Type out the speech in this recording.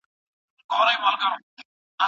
ول